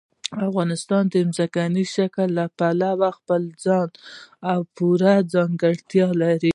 افغانستان د ځمکني شکل له پلوه خپله ځانګړې او پوره ځانګړتیا لري.